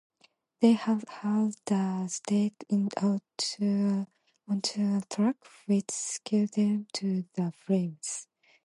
They had hauled the statue onto a truck, which succumbed to the flames.